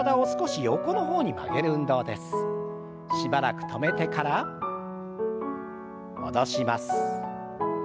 しばらく止めてから戻します。